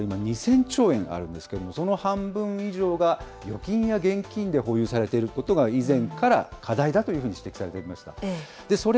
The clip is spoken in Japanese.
個人の金融資産、これ、今２０００兆円あるんですけれども、その半分以上が預金や現金で保有されていることが、以前から課題だというふうに指摘されていました。